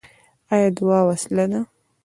آیا دعا وسله ده؟